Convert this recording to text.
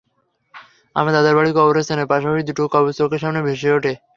আমার দাদার বাড়ির কবরস্থানের পাশাপাশি দুটো কবর চোখের সামনে ভেসে ওঠে।